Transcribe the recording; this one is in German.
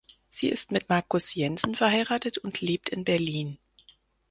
Sie ist mit Marcus Jensen verheiratet und lebt in Berlin.